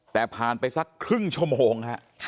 แต่ผ่านไปสักครึ่งชั่วโมงฮะ